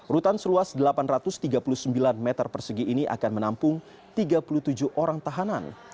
rutan seluas delapan ratus tiga puluh sembilan meter persegi ini akan menampung tiga puluh tujuh orang tahanan